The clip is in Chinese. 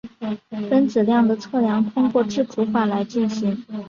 分子量的测量通过质谱法来进行。